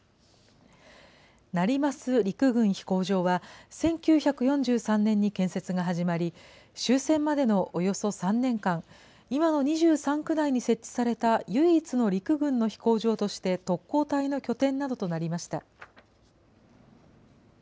成増陸軍飛行場は、１９４３年に建設が始まり、終戦までのおよそ３年間、今の２３区内に設置された唯一の陸軍の飛行場として特攻隊の拠点などとなりました。